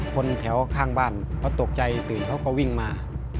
คนแถวข้างบ้านเขาตกใจตื่นเขาก็วิ่งมา